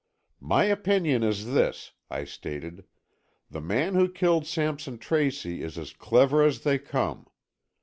"My opinion is this," I stated, "the man who killed Sampson Tracy is as clever as they come.